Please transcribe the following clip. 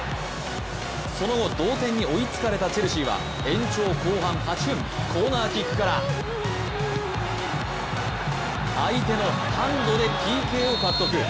その後、同点に追いつかれたチェルシーは延長後半８分コーナーキックから相手のハンドでＰＫを獲得。